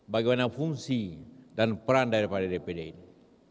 bagaimana fungsi dan peran daripada dpd ini